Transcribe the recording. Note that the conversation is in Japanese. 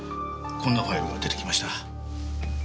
こんなファイルが出てきました。